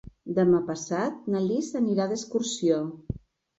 Demà passat na Lis anirà d'excursió.